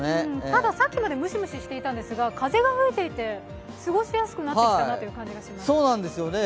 たださっきまでムシムシしていたんですが、風が吹いていて過ごしやすくなってきたかなという感じがします。